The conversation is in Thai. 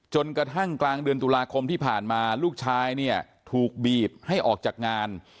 จนกระทั่งกลางเดือนตุลาคมที่ผ่านมาลูกชายเนี่ยถูกบีบให้ออกจากงาน